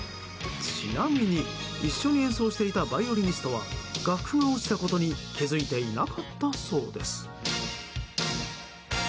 ちなみに、一緒に演奏していたバイオリニストは楽譜が落ちたことに気づいていなかったそうです。